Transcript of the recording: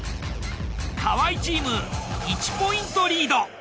河合チーム１ポイントリード。